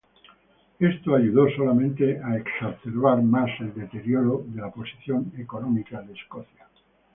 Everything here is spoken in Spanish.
Esto ayudó solamente a exacerbar más el deterioro de la posición económica de Escocia.